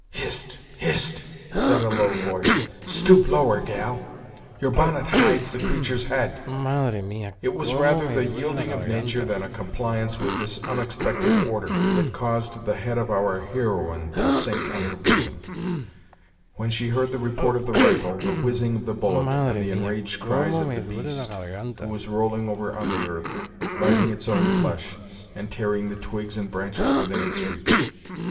"Hist! hist!" said a low voice, "stoop lower, gal; your bonnet hides the creatur's head." It was rather the yielding of nature than a compliance with this unexpected order, that caused the head of our heroine to sink on her bosom; when she heard the report of the rifle, the whizzing of the bullet, and the enraged cries of the beast, who was rolling over on the earth, biting its own flesh, and tearing the twigs and branches within its reach.